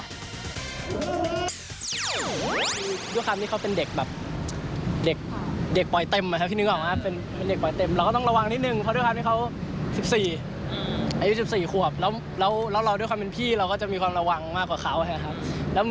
คือด้วยความที่เขาเป็นเด็กแบบเด็กปล่อยเต็มนะครับพี่นึกออกว่าเป็นเด็กปล่อยเต็มเราก็ต้องระวังนิดนึงเพราะด้วยความที่เขา๑๔อายุ๑๔ขวบแล้วเราด้วยความเป็นพี่เราก็จะมีความระวังมากกว่าเขานะครับ